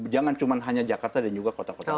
jangan cuma hanya jakarta dan juga kota kota besar